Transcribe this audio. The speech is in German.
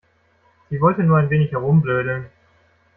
Sie wollte nur ein wenig herumblödeln.